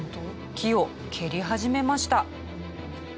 木を蹴り始めました。